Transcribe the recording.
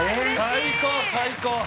最高最高！